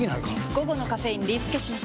午後のカフェインリスケします！